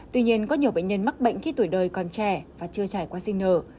tuy nhiên có nhiều bệnh nhân mắc bệnh khi tuổi đời còn trẻ và chưa trải qua sinh nở